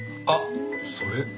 あっそれ